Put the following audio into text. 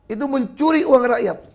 itu mencuri uang rakyat